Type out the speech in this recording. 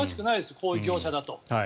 こういう業者だと。